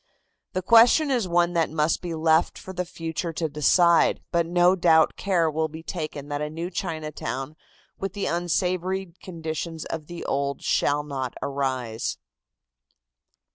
The question is one that must be left for the future to decide, but no doubt care will be taken that a new Chinatown with the unsavory conditions of the old shall not arise.